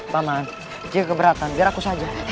paman jaga keberatan biar aku saja